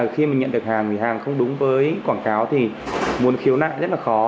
khi mình nhận được hàng hàng không đúng với quảng cáo thì muốn khiếu nạn rất là khó